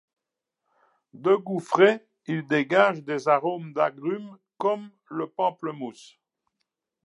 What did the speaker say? De goût frais, il dégage des arômes d'agrumes comme le pamplemousse.